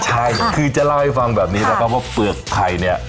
ใช่คือจะเล่าให้ฟังแบบนี้นะครับว่าเปลือกไข่เนี่ย